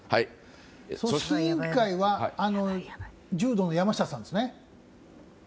組織委員会は柔道の山下さんですね。